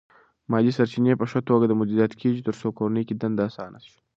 مالی سرچینې په ښه توګه مدیریت کېږي ترڅو کورنۍ کې دنده اسانه شي.